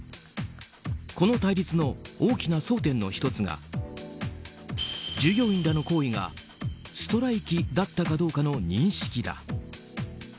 この対立の大きな争点の１つが従業員らの行為がストライキだったかどうかの認識だ。